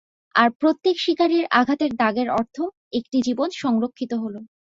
আর প্রত্যেক শিকারীর আঘাতের দাগের অর্থ, একটি জীবন সংরক্ষিত হলো।